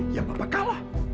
ya bapak kalah